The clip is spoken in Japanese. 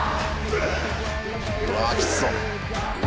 うわぁきつそう。